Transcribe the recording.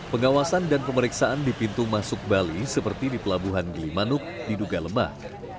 pengawasan dan pemeriksaan di pintu masuk bali seperti di pelabuhan gilimanuk diduga lemah